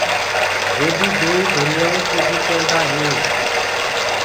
وي بي دوئيٚ ڌُريانٚوٚ ڪُج ڪيندآ هينٚ۔